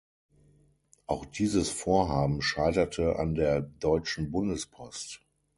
Auch dieses Vorhaben scheiterte an der Deutschen Bundespost.